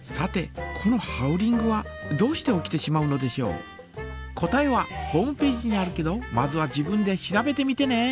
さて答えはホームページにあるけどまずは自分で調べてみてね！